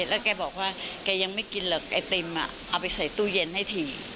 แล้วแกบอกว่าแกยังไม่กินหรอกไอติมเอาไปใส่ตู้เย็นให้ที